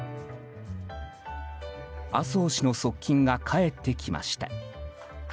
麻生氏の側近が帰ってきました。